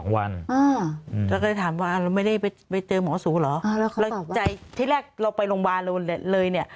แล้วเขาบอกว่าที่แรกเราไปโรงพยาบาลเลยเนี่ย